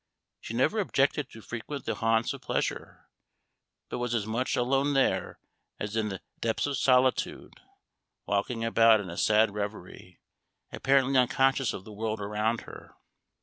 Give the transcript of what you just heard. She never objected to frequent the haunts of pleasure, but was as much alone there as in the depths of solitude; walking about in a sad revery, apparently unconscious of the world around her.